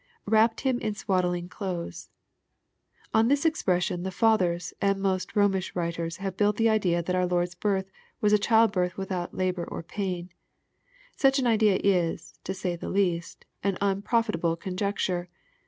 [ Wrapped Him in swaddMng clothes.] On this expression, the Fathers, and most Romish writers, have built the idea that our Lord's birth was a childbirth without labor or pain. Such an idea is, to say the least, an unprofitable conjecture.